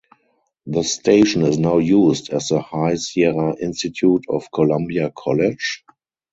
The station is now used as the High Sierra Institute of Columbia College?